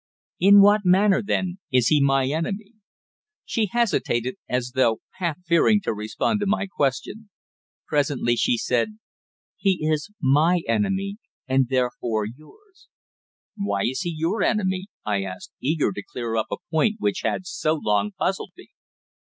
"In what manner, then, is he my enemy?" She hesitated, as though half fearing to respond to my question. Presently she said: "He is my enemy and therefore yours." "Why is he your enemy?" I asked, eager to clear up a point which had so long puzzled me.